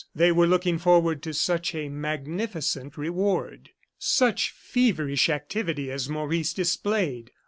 They were looking forward to such a magnificent reward. Such feverish activity as Maurice displayed!